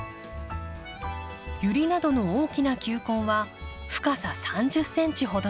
ユリなどの大きな球根は深さ３０センチほどで。